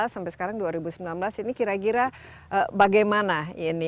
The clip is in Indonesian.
dua ribu tujuh belas sampai sekarang dua ribu sembilan belas ini kira kira bagaimana ini